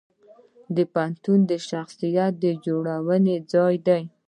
پوهنتون د شخصیت جوړونې ځای دی.